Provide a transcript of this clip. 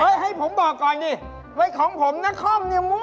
เฮ้ยให้ผมบอกก่อนดิไว้ของผมนะข้อมเกี่ยวมั่ว